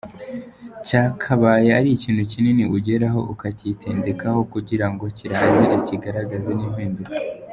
Cyakabaye ari ikintu kinini ugeraho ukacyitendekaho kugira ngo kirangire kigaragaze n’impinduka.